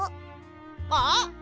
あっ！